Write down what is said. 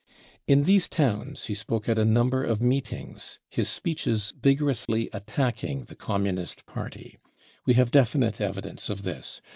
In these towns he spoke at a number of meetings, his speeches vigorously attacking the Communist * Party. We have definite evidence of this.